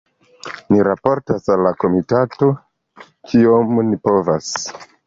Ni raportas al la komitato, kiom ni povas.